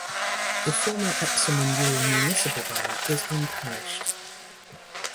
The former Epsom and Ewell Municipal Borough is unparished.